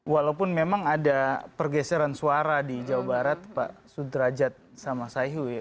walaupun memang ada pergeseran suara di jawa barat pak sudrajat sama sayu